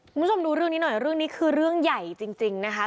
คุณผู้ชมดูเรื่องนี้หน่อยเรื่องนี้คือเรื่องใหญ่จริงนะคะ